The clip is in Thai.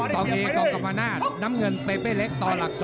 ต่อเมียกล่องกรรมนาฬนำเงินเป๊ะเล็กต่อหลัก๒